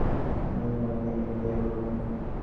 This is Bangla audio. আমি মনে মনে তাঁকে নিন্দাই করলুম।